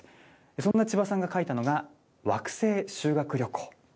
そんなちばさんが書いたのが惑星修学旅行。